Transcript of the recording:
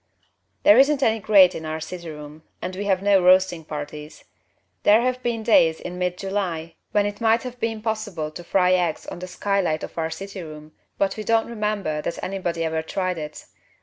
There isn't any grate in our city room and we have no roasting parties. There have been days in mid July when it might have been possible to fry eggs on the skylight of our city room, but we don't remember that anybody ever tried it.